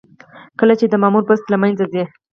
کله چې د مامور بست له منځه ځي.